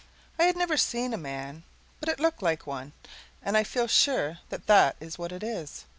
I had never seen a man, but it looked like one, and I feel sure that that is what it is.